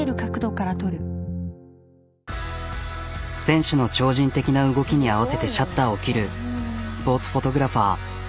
選手の超人的な動きに合わせてシャッターを切るスポーツフォトグラファー。